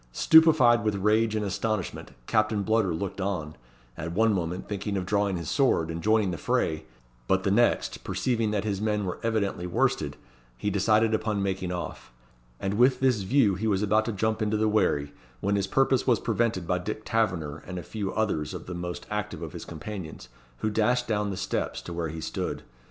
Stupefied with rage and astonishment, Captain Bludder looked on; at one moment thinking of drawing his sword, and joining the fray; but the next, perceiving that his men were evidently worsted, he decided upon making off; and with this view he was about to jump into the wherry, when his purpose was prevented by Dick Taverner, and a few others of the most active of his companions, who dashed down the steps to where he stood.